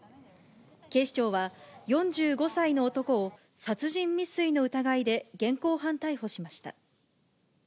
警視庁は４５歳の男を、殺人未遂の疑いで現行犯逮捕しました。